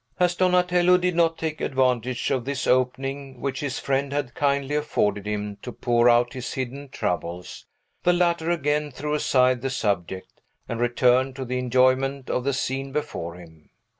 As Donatello did not take advantage of this opening which his friend had kindly afforded him to pour out his hidden troubles, the latter again threw aside the subject, and returned to the enjoyment of the scene before him.